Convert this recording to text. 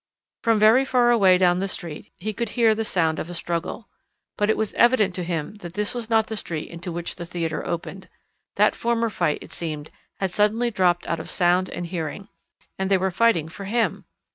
From very far away down the street he could hear the sound of a struggle. But it was evident to him that this was not the street into which the theatre opened. That former fight, it seemed, had suddenly dropped out of sound and hearing. And they were fighting for him!